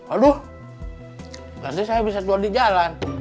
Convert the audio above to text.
aduh nanti saya bisa jual di jalan